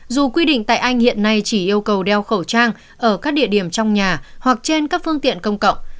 dù quy định tại anh hiện nay chỉ yêu cầu đeo khẩu trang ở các địa điểm trong nhà hoặc trên các phương tiện công cộng